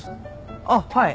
あっはい。